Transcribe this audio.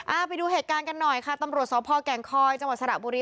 ไปดูเหตุการณ์กันหน่อยค่ะตำรวจสพแก่งคอยจังหวัดสระบุรี